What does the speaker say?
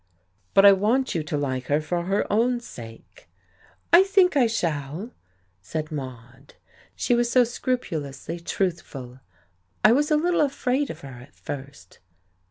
"But I want you to like her for her own sake." "I think I shall," said Maude. She was so scrupulously truthful! "I was a little afraid of her, at first."